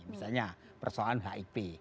misalnya persoalan hip